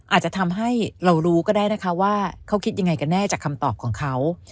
อาจจะทำให้เรารู้ก็ได้นะคะว่าเขาคิดยังไงกันแน่จากคำตอบของเขา